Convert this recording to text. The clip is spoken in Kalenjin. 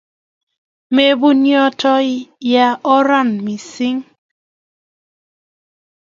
Mepun yotok, ya oranna missing'.